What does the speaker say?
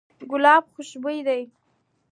ګلاب خوشبوی دی.